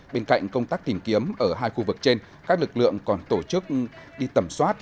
bên cạnh công tác tìm kiếm ở hai khu vực trên các lực lượng còn tổ chức đi tẩm soát